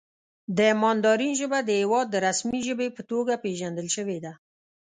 د ماندارین ژبه د هېواد د رسمي ژبې په توګه پېژندل شوې ده.